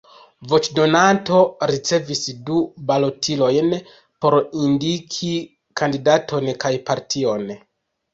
Voĉdonanto ricevis du balotilojn por indiki kandidaton kaj partion.